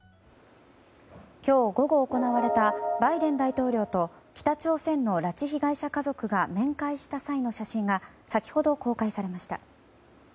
今日午後行われたバイデン大統領と北朝鮮の拉致被害者家族が面会した際の写真が先ほど、公開されました。